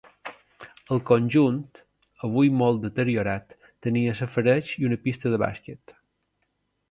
El conjunt, avui molt deteriorat, tenia safareigs i una pista de bàsquet.